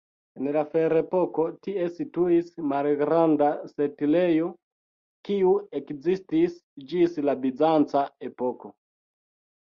En la Ferepoko tie situis malgranda setlejo, kiu ekzistis ĝis la bizanca epoko.